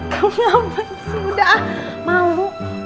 kamu ngapain sih udah ah malu